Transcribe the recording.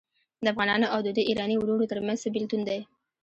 د افغانانو او د دوی ایراني وروڼو ترمنځ څه بیلتون دی.